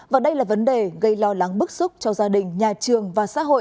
và đây là vấn đề gây lo lắng bức xúc cho gia đình nhà trường và xã hội